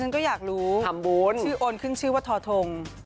จนก็อยากรู้ที่ชื่อโอนเขึ่งชื่อเทาทอง